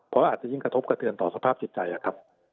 เพราะอาจจะยิ่งกระทบกระเทือนต่อสภาพจิตใจครับ